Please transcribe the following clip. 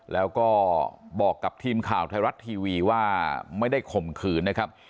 แล้วก็บอกกับทีมข่าวไทยรัฐทีวีว่าไม่ได้ข่มขืนนะครับ